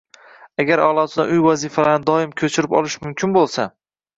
Agar aʼlochidan uy vazifalarini doim ko‘chirib olish mumkin bo‘lsa